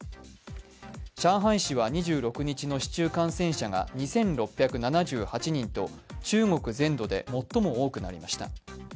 上海市は２６日の市中感染者が２６７８人と中国全土で最も多くなりました。